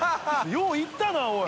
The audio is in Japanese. よういったなおい。